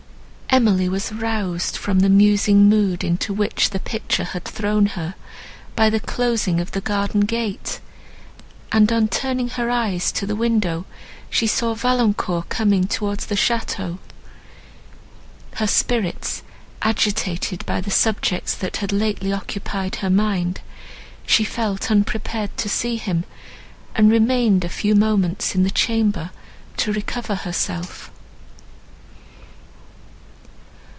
Emily was roused from the musing mood into which the picture had thrown her, by the closing of the garden gate; and, on turning her eyes to the window, she saw Valancourt coming towards the château. Her spirits agitated by the subjects that had lately occupied her mind, she felt unprepared to see him, and remained a few moments in the chamber to recover herself.